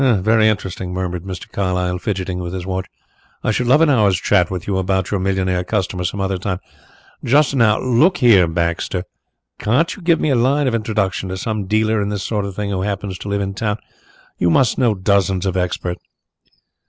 "Very interesting," murmured Mr. Carlyle, fidgeting with his watch. "I should love an hour's chat with you about your millionaire customers some other time. Just now look here, Baxter, can't you give me a line of introduction to some dealer in this sort of thing who happens to live in town? You must know dozens of experts."